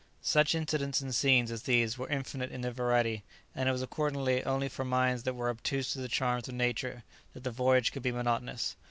Such incidents and scenes as these were infinite in their variety, and it was accordingly only for minds that were obtuse to the charms of nature that the voyage could be monotonous.